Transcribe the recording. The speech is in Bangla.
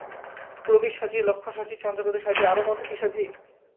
প্রবীর সাজি, লক্ষণ সাজি, চন্দ্রকেতু সাজি, আরও কত কী সাজি।